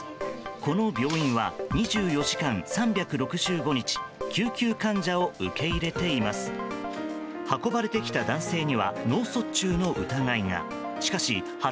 この病院は２４時間３６５日救急患者を受け入れています。